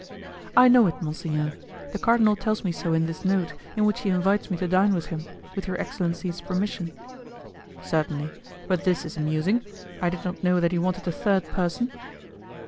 "I know it, monsignor. The cardinal tells me so in this note, in which he invites me to dine with him, with your excellency's permission." "Certainly. But this is amusing! I did not know that he wanted a third person."